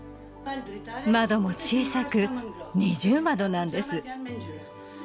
窓も小さく二重窓なんです